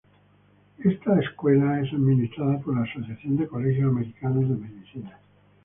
Esta escuela es administrada por la Asociación de Colegios Americanos de Medicina.